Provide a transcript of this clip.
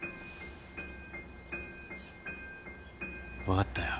分かったよ。